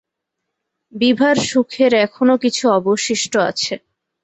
বিভার সুখের এখনো কিছু অবশিষ্ট আছে।